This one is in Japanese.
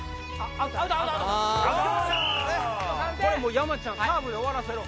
山ちゃんサーブで終わらせろ。